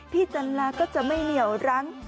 จันลาก็จะไม่เหนียวรั้ง